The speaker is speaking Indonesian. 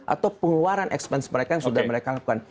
atau pengeluaran expense mereka yang sudah mereka lakukan